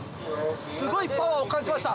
すごいパワーを感じました。